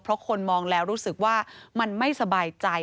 เพราะคนมองแล้วรู้สึกว่ามันไม่สบายใจ